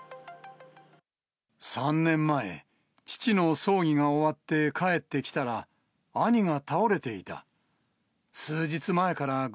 ３年前、父の葬儀が終わって帰ってきたら、兄が倒れていた。